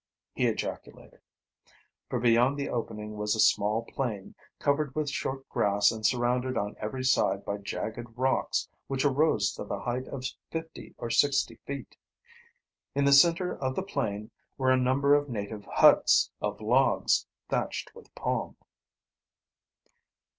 he ejaculated. For beyond the opening was a small plain, covered with short grass and surrounded on every side by jagged rocks which arose to the height of fifty or sixty feet. In the center of the plain were a number of native huts, of logs thatched with palm.